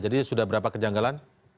jadi sudah berapa kejanggalan